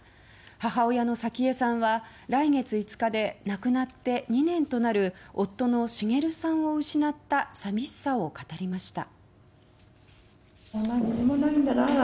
母親の早紀江さんは、来月５日で亡くなって２年となる夫の滋さんを失った寂しさを語りました。